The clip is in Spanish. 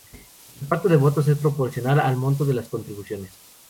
El reparto de votos es proporcional al monto de las contribuciones.